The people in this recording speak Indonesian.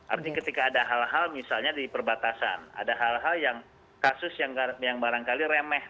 artinya ketika ada hal hal misalnya di perbatasan ada hal hal yang kasus yang barangkali remeh